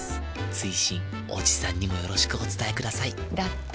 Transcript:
追伸おじさんにもよろしくお伝えくださいだって。